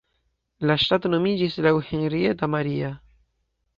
La ŝtato nomiĝis laŭ Henrietta Maria.